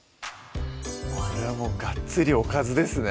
これはもうガッツリおかずですね